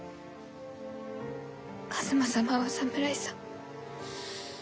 一馬様は侍さん。